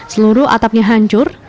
seluruh atapnya hancur